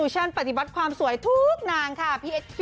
ใช่แล้วล่ะค่ะ